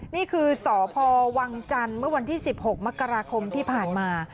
นี่คือสพวังจันทร์เมื่อวันที่๑๖มกราคมที่ผ่านมา